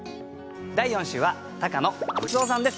第４週は高野ムツオさんです。